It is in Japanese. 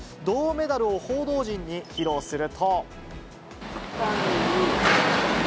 銅メダルを報道陣に披露すると。